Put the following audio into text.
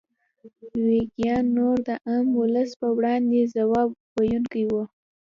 ویګیان نور د عام ولس په وړاندې ځواب ویونکي وو.